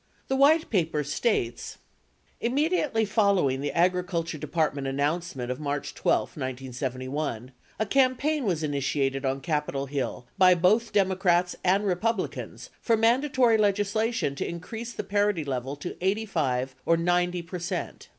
The White Paper states : Immediately following the Agriculture Department an nouncement of March 12, 1971, a campaign was initiated on Capitol Hill by both Democrats and Republicans for manda tory legislation to increase the parity level to 85 or 90 per cent.